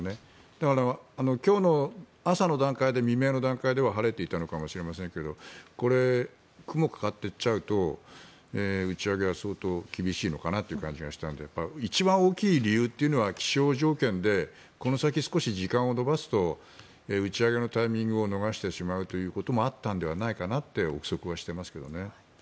だから、今日の朝の段階で未明の段階では晴れていたのかもしれませんがこれ、雲がかかっていっちゃうと打ち上げは相当厳しいのかなという感じがしたので一番大きい理由というのは気象条件でこの先少し時間を延ばすと打ち上げのタイミングを逃してしまうということもあったのではないかと臆測はしていますけどね。